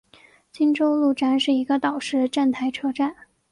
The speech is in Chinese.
金周路站是一个岛式站台车站。